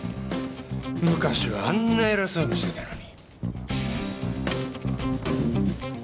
昔はあんな偉そうにしてたのに。